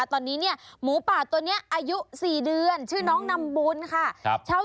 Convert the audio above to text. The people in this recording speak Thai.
ตอนนี้เนี่ยหมูป่าตัวนี้อายุ๔เดือนชื่อน้องนำบุญค่ะ